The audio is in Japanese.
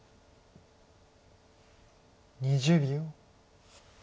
２０秒。